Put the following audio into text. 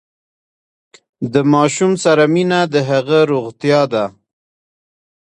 د ماشوم سره مینه د هغه روغتیا ده۔